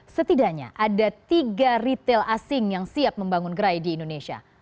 setidaknya ada tiga retail asing yang siap membangun gerai di indonesia